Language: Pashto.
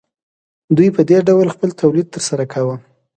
دوی په دې ډول خپل تولید ترسره کاوه